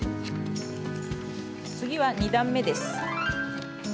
次は２段めです。